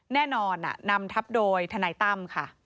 แน่นอนนำทับโดยทนายตั้มค่ะ